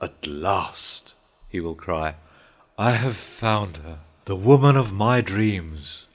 "At last," he will cry, "I have found her, the woman of my dreams."